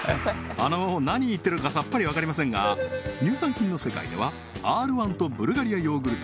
あの何言ってるかさっぱり分かりませんが乳酸菌の世界ではＲ−１とブルガリアヨーグルト